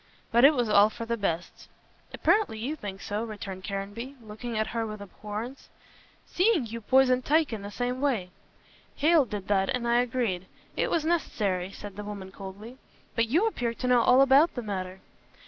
But it was all for the best." "Apparently you think so," returned Caranby, looking at her with abhorrence, "seeing you poisoned Tyke in the same way." "Hale did that and I agreed. It was necessary," said the woman coldly, "but you appear to know all about the matter."